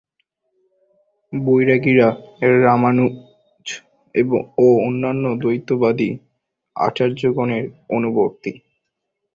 বৈরাগীরা রামানুজ ও অন্যান্য দ্বৈতবাদী আচার্যগণের অনুবর্তী।